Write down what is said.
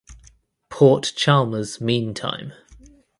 Port Chalmers mean time.